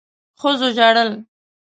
ښځو ژړل